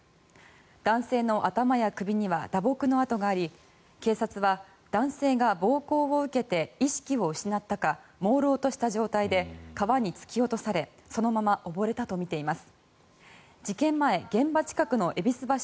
男性の頭や首には打撲の痕があり警察は、男性が暴行を受けて意識を失ったかもうろうとした状態で川に突き落とされそのまま溺れたとみています。